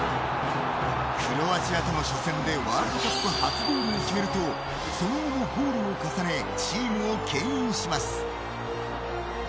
クロアチアとの初戦でワールドカップ初ゴールを決めるとその後もゴールを重ねチームをけん引します。